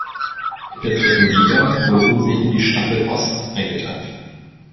In der dritten Liga wurden sie in die Staffel Ost eingeteilt.